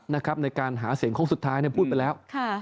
ในการหาเสียงโค้งสุดท้ายพูดไปแล้ว